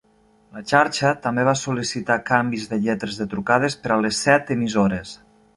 La xarxa també va sol·licitar canvis de lletres de trucades per a les set emissores.